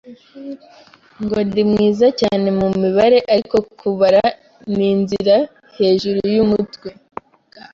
Ndi mwiza cyane mu mibare, ariko kubara ni inzira hejuru yumutwe